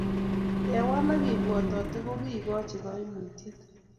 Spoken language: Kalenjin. Kewal ak kebwatate kokiikoch koimutiet